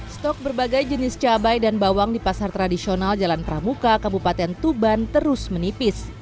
stok berbagai jenis cabai dan bawang di pasar tradisional jalan pramuka kabupaten tuban terus menipis